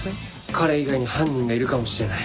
彼以外に犯人がいるかもしれない。